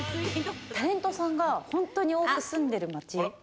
タレントさんが本当に多く住んでる町。